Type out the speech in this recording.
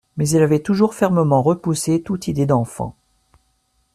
Mais il avait toujours fermement repoussé toute idée d’enfant.